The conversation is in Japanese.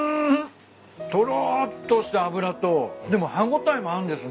とろっとした脂とでも歯応えもあるんですね。